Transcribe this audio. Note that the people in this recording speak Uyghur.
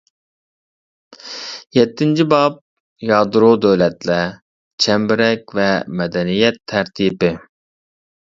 يەتتىنچى باب يادرو دۆلەتلەر، چەمبىرەك ۋە مەدەنىيەت تەرتىپى